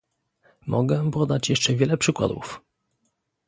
Mogę podać jeszcze wiele przykładów